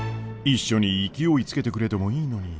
一緒に勢いつけてくれてもいいのに。